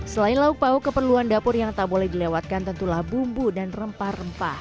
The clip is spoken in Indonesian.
selain lauk pauk keperluan dapur yang tak boleh dilewatkan tentulah bumbu dan rempah rempah